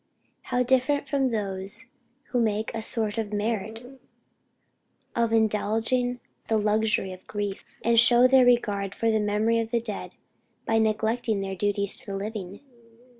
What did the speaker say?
How different from those who make a sort of merit of "indulging the luxury of grief;" and show their regard for the memory of the dead by neglecting their duties to the living!